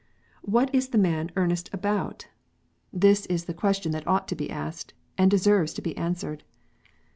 What is the man earnest about? 64 KNOTS UNTIED. This is the question that ought to be asked, and deserves to be answered.